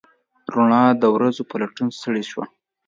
روڼا د ورځو په لټون ستړې شوه